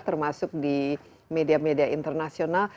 termasuk di media media internasional